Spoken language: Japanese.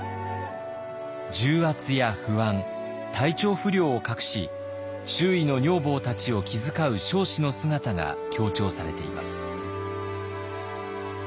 重圧や不安体調不良を隠し周囲の女房たちを気遣う彰子の姿が強調されています。